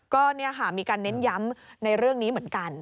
ก็มีการเน้นย้ำในเรื่องนี้เหมือนกัน